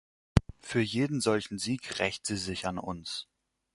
Für jeden solchen Sieg rächt sie sich an uns.